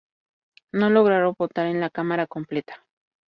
No lograron votar en la Cámara completa.